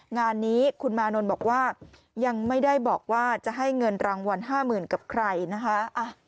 งานนี้คุณมานนท์บอกว่ายังไม่ได้บอกว่าจะให้เงินรางวัล๕๐๐๐กับใครนะคะ